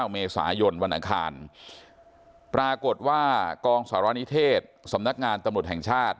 เมษายนวันอังคารปรากฏว่ากองสารณิเทศสำนักงานตำรวจแห่งชาติ